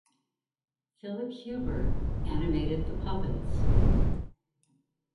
Phillip Huber animated the puppets.